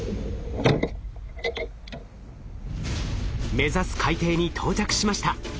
目指す海底に到着しました。